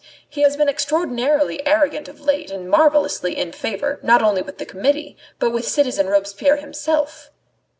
He has been extraordinarily arrogant of late and marvellously in favour, not only with the Committee, but with citizen Robespierre himself."